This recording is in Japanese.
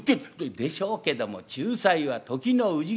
「でしょうけども『仲裁は時の氏神』」。